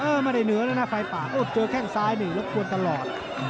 เออไม่ได้เหนือเลยนะไฟป่าเจอแค่งซ้ายหนึ่งละกวนตลอด